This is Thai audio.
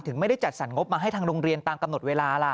ไม่ได้จัดสรรงบมาให้ทางโรงเรียนตามกำหนดเวลาล่ะ